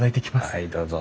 はいどうぞ。